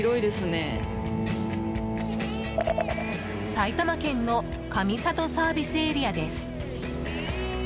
埼玉県の上里ＳＡです。